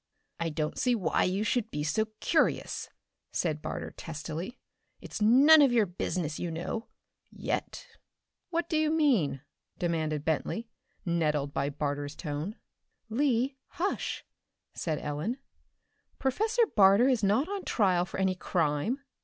"I don't see why you should be so curious," said Barter testily. "It's none of your business you know yet." "What do you mean?" demanded Bentley, nettled by Barter's tone. "Lee, hush," said Ellen. "Professor Barter is not on trial for any crime."